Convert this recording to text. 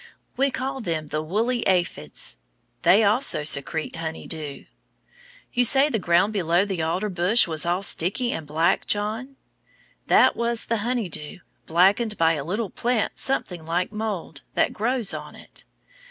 We call them the woolly aphids. They also secrete honey dew. You say the ground below the alder bush was all sticky and black, John? That was the honey dew, blackened by a little plant something like mould, that grows on it.